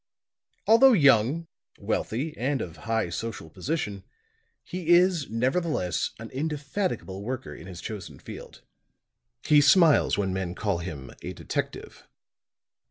Although young, wealthy, and of high social position, he is nevertheless an indefatigable worker in his chosen field. He smiles when men call him a detective.